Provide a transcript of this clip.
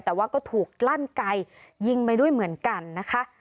แต่ว่าก็ถูกลั่นไกลยิงไปด้วยเหมือนกันนะคะ